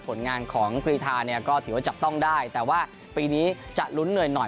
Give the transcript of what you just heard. ผลงานของกรีธาเนี่ยก็ถือว่าจับต้องได้แต่ว่าปีนี้จะลุ้นเหนื่อยหน่อย